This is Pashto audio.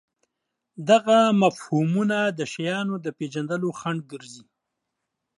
دغه مفهومونه د شیانو د پېژندلو خنډ ګرځي.